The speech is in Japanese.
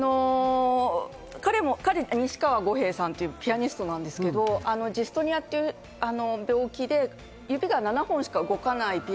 西川悟平さんっていうピアニストなんですけど、ジストニアっていう病気で指が７本しか動かない。